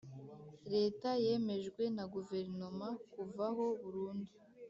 Leta yemejwe na Guverinoma kuvaho burundu